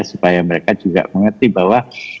supaya mereka juga mengerti bahwa